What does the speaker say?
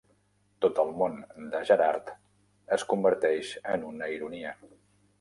Tot el món de Gerard es converteix en una ironia.